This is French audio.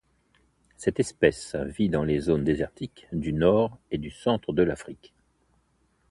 Cette espèce vit dans les zones désertiques du nord et du centre de l'Afrique.